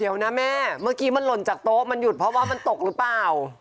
เดี๋ยวนะแม่เมื่อกี้มันหล่นจากโต๊ะมันหยุดเพราะว่ามันตกหรือเปล่า